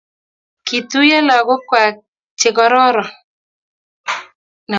Kitinyei logoiywek chegororon